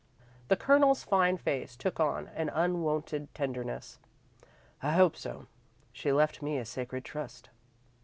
The Colonel's fine face took on an unwonted tenderness. "I hope so. She left me a sacred trust."